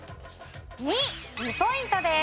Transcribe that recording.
２。２ポイントです。